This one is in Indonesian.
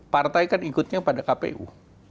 partai kan ikutnya pada kpu